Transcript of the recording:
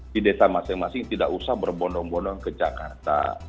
di desa masing masing tidak usah berbondong bondong ke jakarta